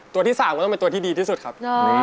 ตัวที่๓ก็ต้องเป็นตัวที่ดีที่สุดครับ